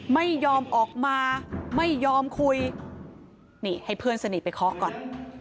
ไม่ยอมออกมาไม่ยอมคุยนี่ให้เพื่อนสนิทไปเคาะก่อน